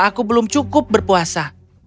aku belum cukup berpuasa